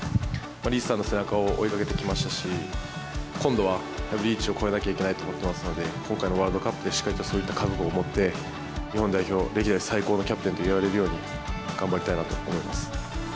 リーチさんの背中を追いかけてきましたし、今度はリーチを超えなきゃいけないと思っていますし、今回のワールドカップで、しっかりとそういった覚悟を持って、日本代表歴代最高のキャプテンと言われるように頑張りたいなと思います。